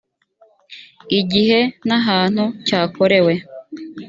igihe n ahantu cyakorewe